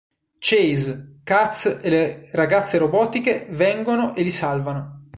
Chase, Kaz e le ragazze robotiche vengono e li salvano.